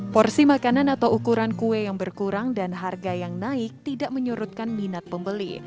porsi makanan atau ukuran kue yang berkurang dan harga yang naik tidak menyurutkan minat pembeli